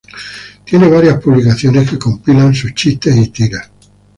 Tiene varias publicaciones que compilan sus chistes y tiras.